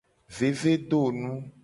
Vevedonu.